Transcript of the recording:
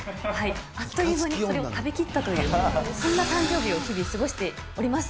あっという間にそれを食べきったという、そんな誕生日を、日々過ごしております。